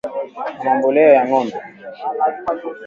Kuna mbolea ya ngombe